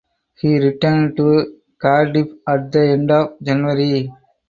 He returned to Cardiff at the end of January.